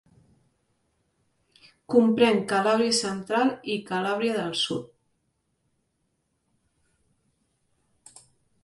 Comprèn Calàbria central i Calàbria del sud.